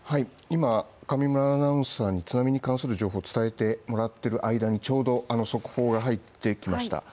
今、上村アナウンサーに津波に関する情報を伝えてもらってる間にちょうど速報が入ってきました。